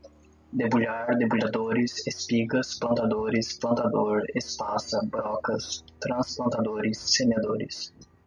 debulhar, debulhadores, espigas, plantadores, plantador, espaça, brocas, transplantadores, semeadores